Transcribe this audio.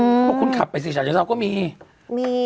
บอกว่าคุณขับที่ชะชั่งเศาะก็มี